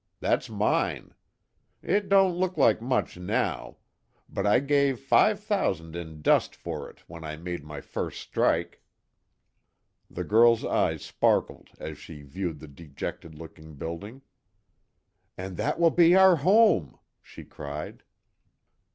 That's mine. It don't look like much, now. But, I gave five thousand in dust for it when I made my first strike." The girl's eyes sparkled as she viewed the dejected looking building, "And that will be our home!" she cried.